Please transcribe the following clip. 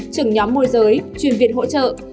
trưởng nhóm môi giới truyền viên hỗ trợ